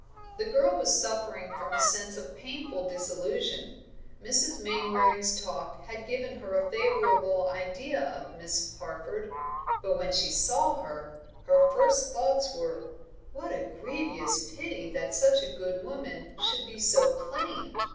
The girl was suffering from a sense of painful disillusion. Mrs. Mainwaring's talk had given her a favourable idea of Miss Harford, but when she saw her, her first thoughts were "What a grievous pity that such a good woman should be so plain!"